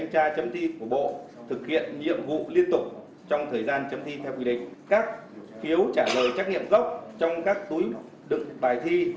các phiếu trả lời trách nghiệm gốc trong các túi đựng bài thi